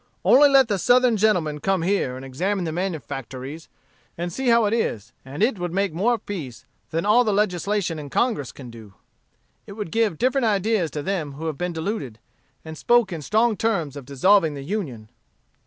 Only let the Southern gentlemen come here and examine the manufactories, and see how it is, and it would make more peace than all the legislation in Congress can do. It would give different ideas to them who have been deluded, and spoke in strong terms of dissolving the Union."